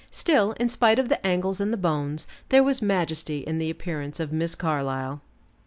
Still, in spite of the angles and the bones, there was majesty in the appearance of Miss Carlyle.